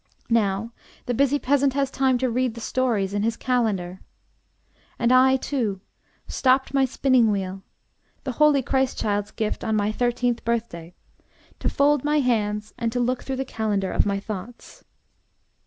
Now the busy peasant has time to read the stories in his calendar. And I, too, stopped my spinning wheel, the holy Christ child's gift on my thirteenth birthday, to fold my hands and to look through the calendar of my thoughts.